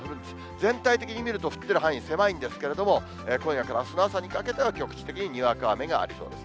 全体的に見ると降ってる範囲狭いんですけれども、今夜からあすの朝にかけては局地的ににわか雨がありそうです。